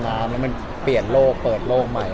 หนาวแต่อบอุ่นใช่ไหม